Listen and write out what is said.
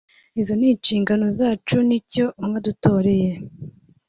izo ni inshingano zacu nicyo mwadutoreye